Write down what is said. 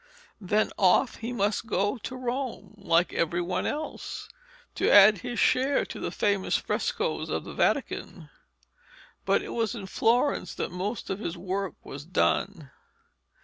Then off he must go to Rome, like every one else, to add his share to the famous frescoes of the Vatican. But it was in Florence that most of his work was done.